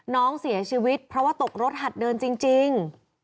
น้องเสียชีวิตเพราะว่าตกรถหัดเดินจริง